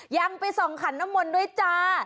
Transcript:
ยังไปส่องขันน้ำมนต์ด้วยจ้า